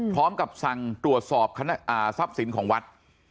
พร้อมกับสั่งตรวจสอบทรัพย์สินของวัด